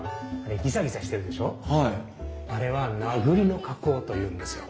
あれは名栗の加工というんですよ。